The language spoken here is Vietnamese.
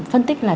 phân tích là